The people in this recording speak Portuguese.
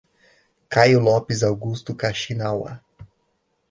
Caio Lopes Augusto Kaxinawa